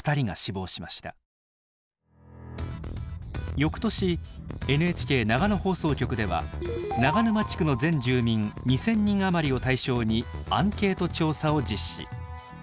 翌年ＮＨＫ長野放送局では長沼地区の全住民２，０００人余りを対象にアンケート調査を実施。